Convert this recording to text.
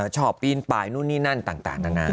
ชอบปีนปลายนู่นนี่นั่นต่างนานา